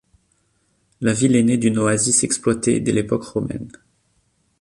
La ville est née d'une oasis exploitée dès l'époque romaine.